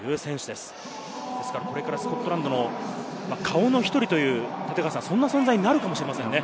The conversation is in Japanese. ですからこれからスコットランドの顔の１人というそんな存在になるかもしれませんね。